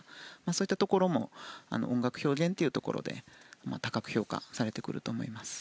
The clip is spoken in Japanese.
そういったところも音楽表現というところで高く評価されてくると思います。